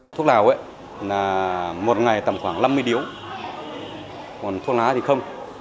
thuốc lào là một ngày tầm khoảng năm mươi điếu còn thuốc lá thì không